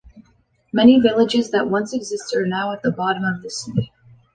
Many villages that once existed are now at the bottom of the sea.